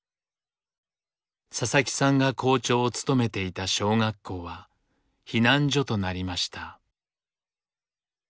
佐々木さんが校長を務めていた小学校は避難所となりました。